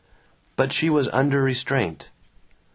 But she was under restraint.